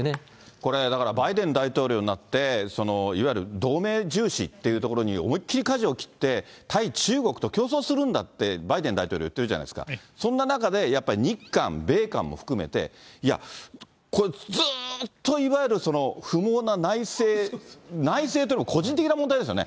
これ、だからバイデン大統領になって、いわゆる同盟重視っていうところに思いっ切りかじを切って、対中国と競争するんだって、バイデン大統領言ってるじゃないですか、そんな中でやっぱり、日韓、米韓も含めて、いや、これ、ずーっといわゆる不毛な内政、内政というよりも個人的な問題ですよね。